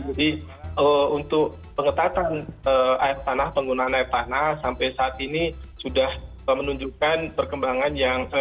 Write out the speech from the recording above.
jadi untuk pengetatan air tanah penggunaan air tanah sampai saat ini sudah menunjukkan perkembangan yang